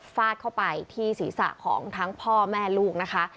ฟาดเข้าไปที่ศีรษะของทั้งพ่อแม่ลูกนะคะ